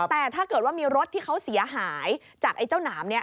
แต่ถ้าเกิดว่ามีรถที่เขาเสียหายจากไอ้เจ้าหนามนี้